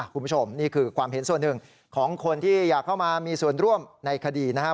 คุณผู้ชมนี่คือความเห็นส่วนหนึ่งของคนที่อยากเข้ามามีส่วนร่วมในคดีนะครับ